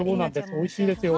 おいしいですよ。